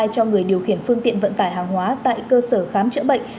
cho người điều khiển phương tiện vận tải hàng hóa tại cơ sở khám chữa bệnh